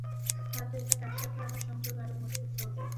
হয়ত এটা তারসাথে আমার সংযোগ আরও মজবুত করবে।